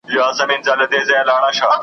بس تیندکونه خورمه .